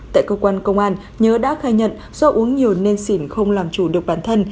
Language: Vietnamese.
tại cơ quan công an nhớ đã khai nhận do uống nhiều nên sỉn không làm chủ được bản thân